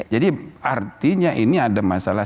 jadi artinya ini ada masalah